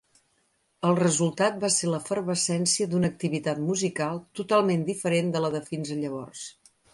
El resultat va ser l'efervescència d'una activitat musical totalment diferent de la de fins llavors.